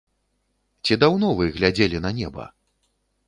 Ці даўно вы глядзелі на неба?